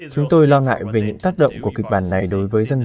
chúng tôi lo ngại về những tác động của kịch bản này đối với dân